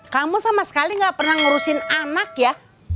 kamu sama sekali gak pernah ngurusin anak ya